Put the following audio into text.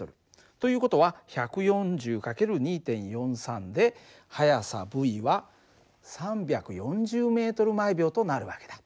という事は１４０×２．４３で速さυは３４０ｍ／ｓとなる訳だ。